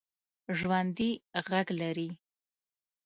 ژوندي غږ لري